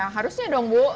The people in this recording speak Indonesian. ya harusnya dong bu